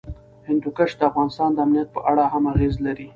هندوکش د افغانستان د امنیت په اړه هم اغېز لري.